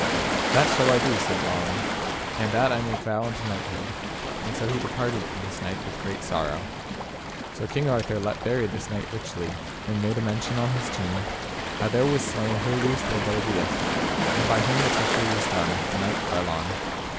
That shall I do, said Balin, and that I make vow unto knighthood; and so he departed from this knight with great sorrow. So King Arthur let bury this knight richly, and made a mention on his tomb, how there was slain Herlews le Berbeus, and by whom the treachery was done, the knight Garlon.